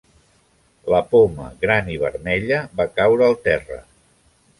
La poma gran i vermella va caure al terra.